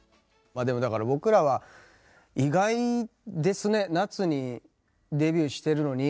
まあでもだから僕らは意外ですね夏にデビューしてるのに。